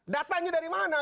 datanya dari mana